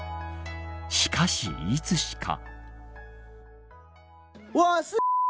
しかし、いつしか。